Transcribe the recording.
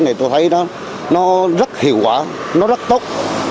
cái này tôi thấy nó rất hiệu quả nó rất tốt